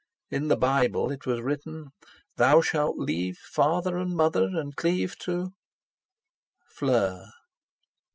In the Bible it was written: Thou shalt leave father and mother and cleave to—Fleur!